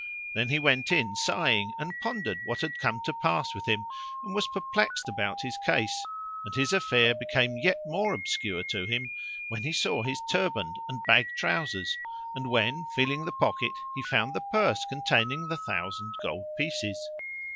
Then he went in sighing, and pondered what had come to pass with him and was perplexed about his case, and his affair became yet more obscure to him when he saw his turband and bag trousers and when, feeling the pocket, he found the purse containing the thousand gold pieces.